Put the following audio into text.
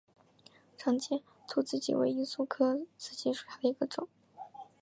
长尖突紫堇为罂粟科紫堇属下的一个种。